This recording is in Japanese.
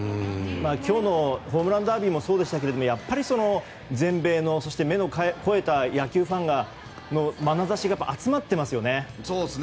今日のホームランダービーもそうですがやっぱり、全米のそして目の肥えた野球ファンのまなざしが集まってますよね。